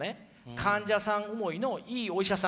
患者さん思いのいいお医者さん。